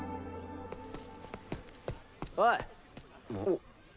おい！